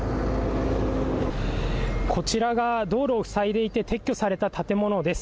こちらが道路を塞いでいて撤去された建物です。